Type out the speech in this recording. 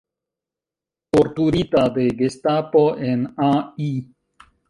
Torturita de gestapo en Al.